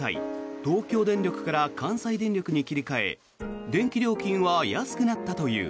東京電力から関西電力に切り替え電気料金は安くなったという。